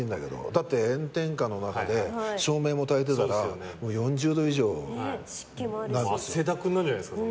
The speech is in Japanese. だって、炎天下の中で照明もたいてたら汗だくになるんじゃないですか。